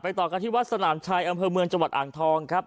ต่อกันที่วัดสนามชัยอำเภอเมืองจังหวัดอ่างทองครับ